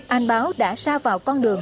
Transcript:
anh báo đã xa vào con đường